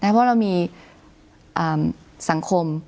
เพราะเรามีสังคม